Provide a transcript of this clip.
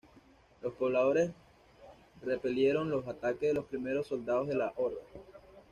Los pobladores repelieron los ataques de los primeros soldados de la horda.